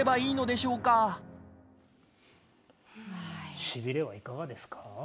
しびれはいかがですか？